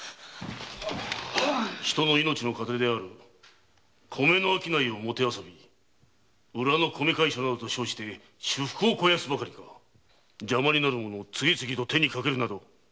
人の命の糧である米の商いをもてあそび裏の米会所などと称して私腹を肥やすばかりか邪魔になる者を次々と手にかけるなど言語道断！